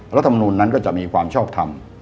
รัฐมนุนนั้นก็จะมีความชอบทำ